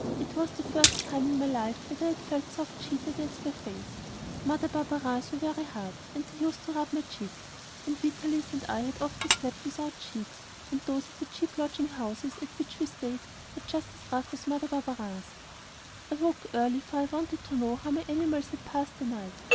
It was the first time in my life that I had felt soft sheets against my face. Mother Barberin's were very hard and they used to rub my cheeks, and Vitalis and I had more often slept without sheets, and those at the cheap lodging houses at which we stayed were just as rough as Mother Barberin's. I woke early, for I wanted to know how my animals had passed the night.